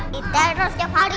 kita harus capai